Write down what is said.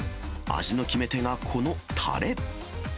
味の決め手がこのたれ。